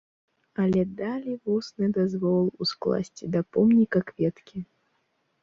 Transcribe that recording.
Але далі вусны дазвол ускласці да помніка кветкі.